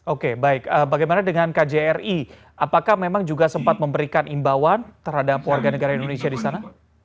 oke baik bagaimana dengan kjri apakah memang juga sempat memberikan imbauan terhadap warga negara indonesia di sana